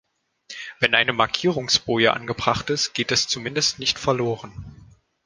Wenn eine Markierungsboje angebracht ist, geht es zumindest nicht verloren.